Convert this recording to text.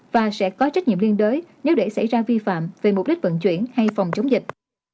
và sẽ có trách nhiệm liên đối nếu để xảy ra vi phạm về mục đích vận chuyển hay phòng chống dịch